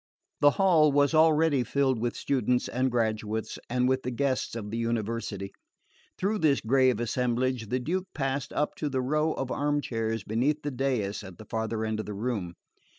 The hall was already filled with students and graduates, and with the guests of the University. Through this grave assemblage the Duke passed up to the row of armchairs beneath the dais at the farther end of the room.